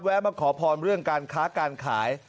มาขอพรเรื่องการค้าการขาย